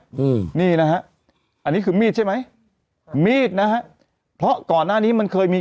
อืมนี่นะฮะอันนี้คือมีดใช่ไหมมีดนะฮะเพราะก่อนหน้านี้มันเคยมี